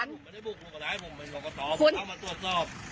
ไม่ได้บุกลุกอะไรผมไม่บอกก็ตอบเอามาตรวจสอบ